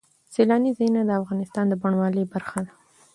سیلانی ځایونه د افغانستان د بڼوالۍ برخه ده.